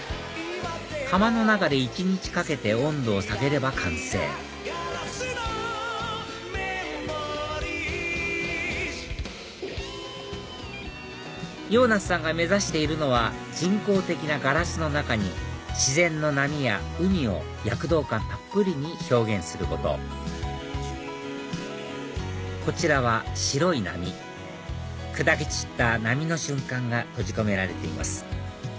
窯の中で一日かけて温度を下げれば完成ヨーナスさんが目指しているのは人工的なガラスの中に自然の波や海を躍動感たっぷりに表現することこちらは白い波砕け散った波の瞬間が閉じ込められています